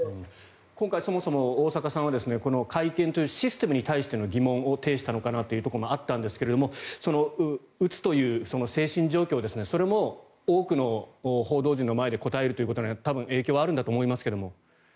今回、そもそも大坂さんは会見というシステムに対する疑問を呈したのかなというところもあったんですがうつという精神状況も多くの報道陣の前で答えるということは多分影響があるんだと思いますが。